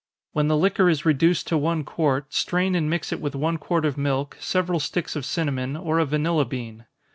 When the liquor is reduced to one quart, strain and mix it with one quart of milk, several sticks of cinnamon, or a vanilla bean.